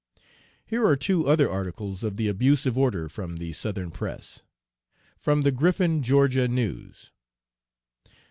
Here are two other articles of the abusive order from the Southern press: (From the Griffin (Ga.) News.)